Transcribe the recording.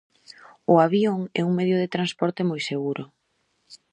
O avión é un medio de transporte moi seguro.